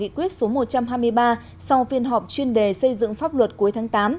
chính phủ thống nhất đưa vào nghị quyết số một trăm hai mươi ba sau phiên họp chuyên đề xây dựng pháp luật cuối tháng tám